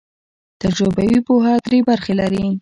تجربوي پوهه درې برخې لري.